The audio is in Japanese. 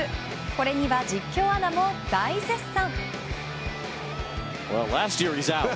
これには実況アナも大絶賛。